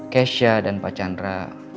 keisha dan pak chandra